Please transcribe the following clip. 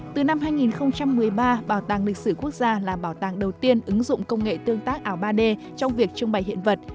từ năm hai nghìn một mươi ba bảo tàng lịch sử quốc gia là bảo tàng đầu tiên ứng dụng công nghệ tương tác ảo ba d trong việc trưng bày hiện vật